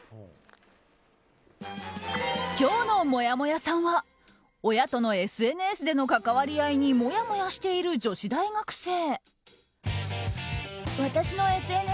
今日のもやもやさんは親とのＳＮＳでの関わり合いにもやもやしている女子大学生。